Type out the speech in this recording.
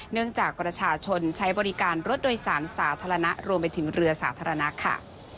จากประชาชนใช้บริการรถโดยสารสาธารณะรวมไปถึงเรือสาธารณะค่ะ